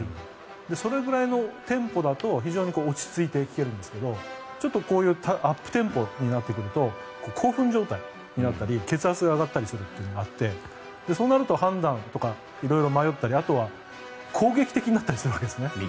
それぐらいのテンポだと非常に落ち着いて聴けるんですがこういうアップテンポになってくると興奮状態になったり血圧が上がったりするというのがあってそうなると判断とか色々迷ったりあとは攻撃的になったりするわけですね。